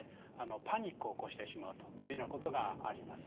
パニックを起こしてしまうというようなことがあります。